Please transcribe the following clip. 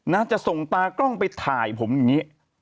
จะส่งตากล้องไปถ่ายผมอย่างนี้